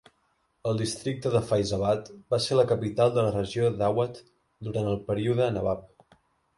El districte de Faizabad va ser la capital de la regió d'Awadh durant el període Nabab.